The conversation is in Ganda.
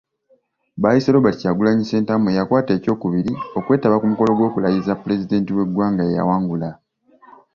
Baayise Robert Kyagulanyi Ssentamu eyakwata ekyokubiri okwetaba ku mukolo gw'okulayiza Pulezidenti w'eggwanga eyawangula .